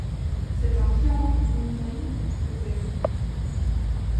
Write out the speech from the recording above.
C’est en riant que Gwynplaine faisait rire.